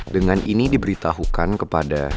dengan ini diberitahukan kepada